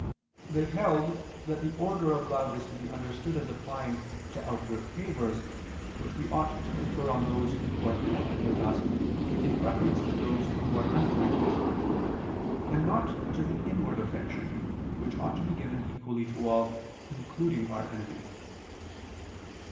They held that the order of love is to be understood as applying to outward favors, which we ought to confer on those who are connected with us in preference to those who are unconnected, and not to the inward affection, which ought to be given equally to all including our enemies.